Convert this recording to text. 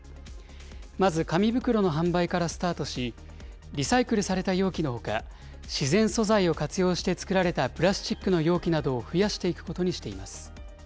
まず紙袋の販売からスタートし、リサイクルされた容器のほか、自然素材を活用して作られたプラスチックの容器などを増やしていくことにしています。